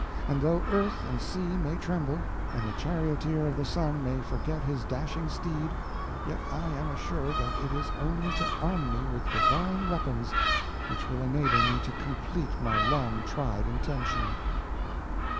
And though earth and sea may tremble, and the charioteer of the sun may forget his dashing steed, yet I am assured that it is only to arm me with divine weapons which will enable me to complete my long tried intention."